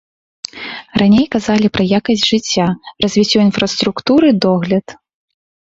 Раней казалі пра якасць жыцця, развіццё інфраструктуры, догляд.